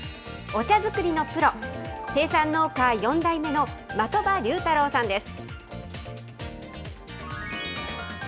お茶作りのプロ、生産農家４代目の的場龍太郎さんです。